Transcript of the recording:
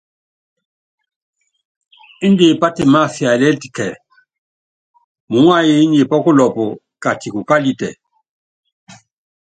Índɛ pátimáfiálítɛ kíɛ, muúŋayɔ́ nyi kulɔpɔ kati kukálitɛ.